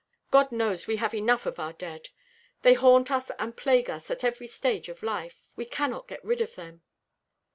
God knows we have enough of our dead. They haunt us and plague us at every stage of life. We cannot get rid of them."